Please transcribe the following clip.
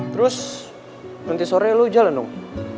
terus nanti sore lu jalan dong